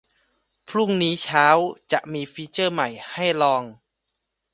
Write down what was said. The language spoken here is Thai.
พรุ่งนี้ตอนเช้าจะมีฟีเจอร์ใหม่ให้ลอง